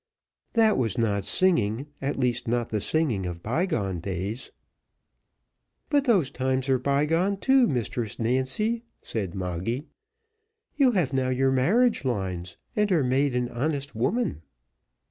That was not singing, at least not the singing of bygone days." "But those times are bygone too, Mistress Nancy," said Moggy; "you have now your marriage lines, and are made an honest woman."